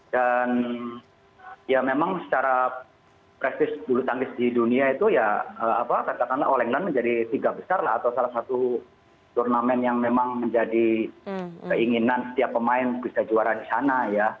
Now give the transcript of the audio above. dan ya memang secara presis bulu tangis di dunia itu ya apa katakanlah all england menjadi tiga besar lah atau salah satu turnamen yang memang menjadi keinginan setiap pemain bisa juara di sana ya